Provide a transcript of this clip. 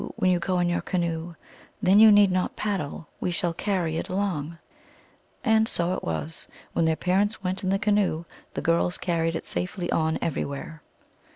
When you go in your canoe, Then you need not paddle ; We shall carry it along !" And so it was : when their parents went in the ca noe, the girls carried it safely on everywhere.